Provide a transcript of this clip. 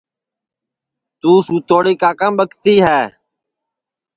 توں سُتوڑی کاکام ٻکتی ہے